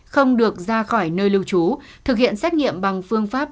không được ra khỏi nơi lưu trú thực hiện xét nghiệm bằng phương pháp